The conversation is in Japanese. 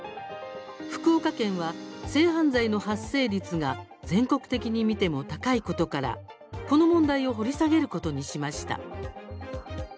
福岡県は、性犯罪の発生率が全国的に見ても高いことからこの問題を掘り下げることにしました。